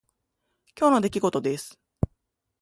今日の出来事です。